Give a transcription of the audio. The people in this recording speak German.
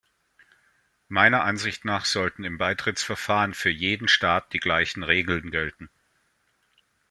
Meiner Ansicht nach sollten im Beitrittsverfahren für jeden Staat die gleichen Regeln gelten.